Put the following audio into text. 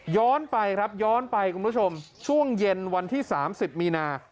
ย้อนไปครับย้อนไปคุณผู้ชมช่วงเย็นวันที่๓๐มีนา